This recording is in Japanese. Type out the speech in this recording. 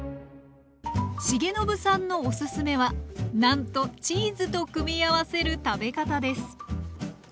重信さんのおすすめはなんとチーズと組み合わせる食べ方です